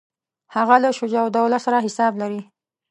هغه له شجاع الدوله سره حساب لري.